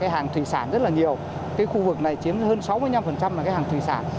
hàng thủy sản rất là nhiều cái khu vực này chiếm hơn sáu mươi năm là cái hàng thủy sản